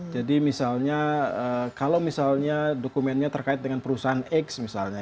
jadi misalnya kalau misalnya dokumennya terkait dengan perusahaan x misalnya